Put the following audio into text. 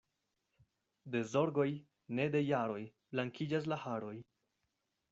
De zorgoj, ne de jaroj, blankiĝas la haroj.